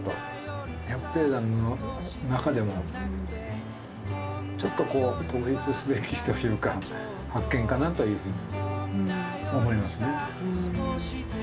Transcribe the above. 百低山の中でもちょっとこう特筆すべきというか発見かなというふうに思いますね。